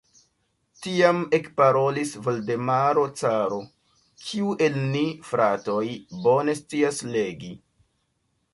Tiam ekparolis Voldemaro caro: "Kiu el ni, fratoj, bone scias legi?"